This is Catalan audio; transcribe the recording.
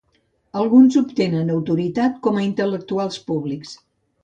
Alguns obtenen autoritat com a intel·lectuals públics.